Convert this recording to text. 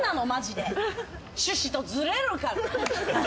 趣旨とずれるから。